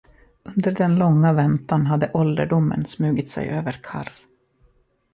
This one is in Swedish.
Under den långa väntan hade ålderdomen smugit sig över Karr.